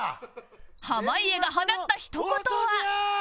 濱家が放ったひと言は